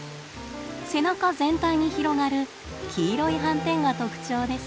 背中全体に広がる黄色い斑点が特徴です。